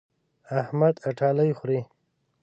احمد اټالۍ خوري.